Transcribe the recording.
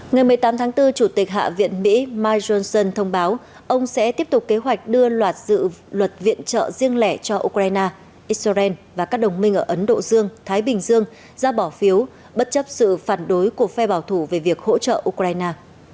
ngày một mươi tám tháng bốn chủ tịch hạ viện mỹ mike johnson thông báo ông sẽ tiếp tục kế hoạch đưa loạt dự luật viện trợ riêng lẻ cho ukraine israel và các đồng minh ở ấn độ dương thái bình dương ra bỏ phiếu bất chấp sự phản đối của phe bảo thủ về việc hỗ trợ ukraine